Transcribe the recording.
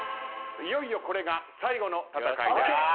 いよいよこれが最後の戦いです。